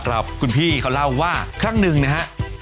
ครับคุณพี่เขาเล่าว่าครั้งหนึ่งนะฮะ